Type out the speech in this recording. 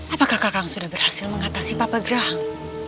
apakah kakak sudah berhasil mengatasi papa gerah